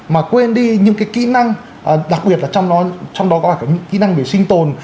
mà quên đi những cái kỹ năng đặc biệt là trong đó có kỹ năng về sinh tồn